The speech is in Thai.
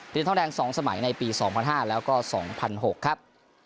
ทฤษฐานแรงสองสมัยในปี๒๐๐๕และ๒๐๐๖ครับ